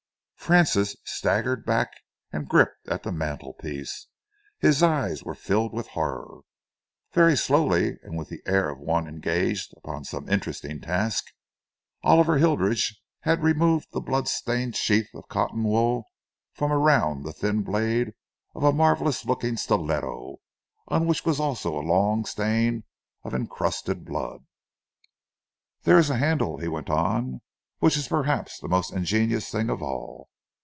Francis staggered back and gripped at the mantelpiece. His eyes were filled with horror. Very slowly, and with the air of one engaged upon some interesting task, Oliver Hilditch had removed the blood stained sheath of cotton wool from around the thin blade of a marvellous looking stiletto, on which was also a long stain of encrusted blood. "There is a handle," he went on, "which is perhaps the most ingenious thing of all.